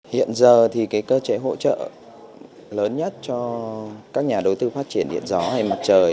hiện giờ thì cái cơ chế hỗ trợ lớn nhất cho các nhà đầu tư phát triển điện gió hay mặt trời